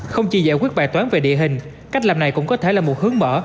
không chỉ giải quyết bài toán về địa hình cách làm này cũng có thể là một hướng mở